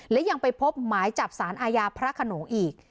และยังไปพบหมายจับสารอาญาพระขนงอีก